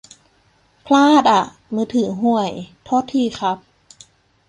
พลาดอ่ะ มือถือห่วย โทษทีครับ